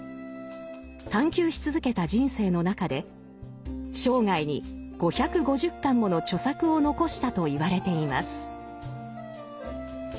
探求し続けた人生の中で生涯に５５０巻もの著作を残したといわれています。